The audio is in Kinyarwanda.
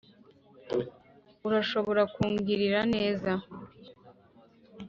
urashobora kungirira neza?